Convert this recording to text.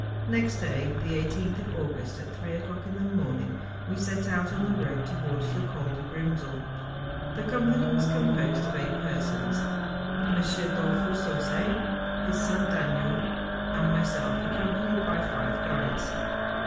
Next day, the 18th of August, at three o'clock in the morning, we set out on the road towards the Col du Grimsel. The company was composed of eight persons, IM. Dollfus Ausset, his son Daniel, and myself, accompanied by five guides.